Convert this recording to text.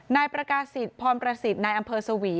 นายประกาศิษย์พรประสิทธิ์นายอำเภอสวี